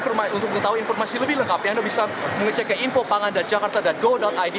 dan untuk mengetahui informasi lebih lengkapnya anda bisa mengecek ke info pangan jakarta go id